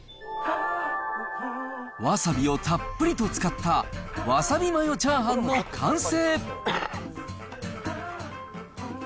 わさびをたっぷりと使ったわさびマヨチャーハンの完成。